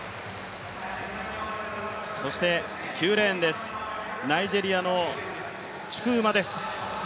そして９レーンです、ナイジェリアのチュクウマです。